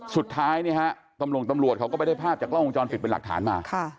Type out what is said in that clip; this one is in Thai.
สุดท้ายเนี่ยฮะตำรวจเขาก็ไปได้ภาพจากกล้องวงจรปิดเป็นหลักฐานมา